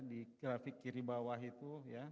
di grafik kiri bawah itu